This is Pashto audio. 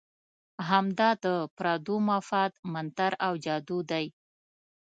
همدا د پردو مفاد منتر او جادو دی.